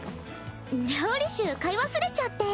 料理酒買い忘れちゃって。